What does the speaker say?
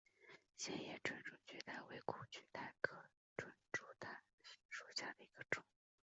线叶唇柱苣苔为苦苣苔科唇柱苣苔属下的一个种。